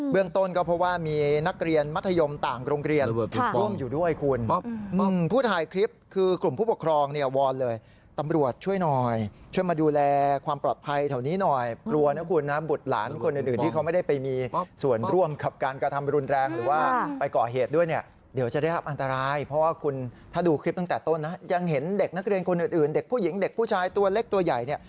เรื่องต้นก็เพราะว่ามีนักเรียนมรรถยนต์ต่างโรงเรียน